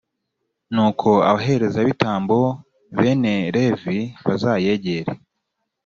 nuko abaherezabitambo bene levi bazayegere,